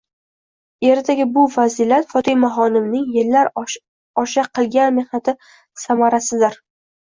Eridagi bu fazilat Fotimaxonimning yillar oshaqilgan mexnati samarasidir